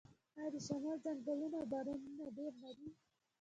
آیا د شمال ځنګلونه او بارانونه ډیر نه دي؟